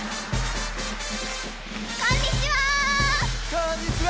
こんにちは！